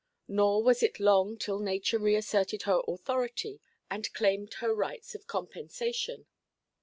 Nor was it long till nature reasserted her authority, and claimed her rights of compensation.